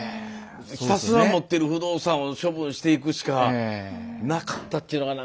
ひたすら持ってる不動産を処分していくしかなかったっていうのが何かなあ。